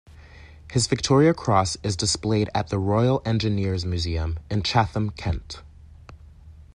His Victoria Cross is displayed at the Royal Engineers Museum in Chatham, Kent.